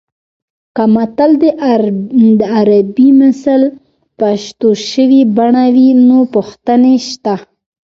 که متل د عربي مثل پښتو شوې بڼه وي نو پوښتنې شته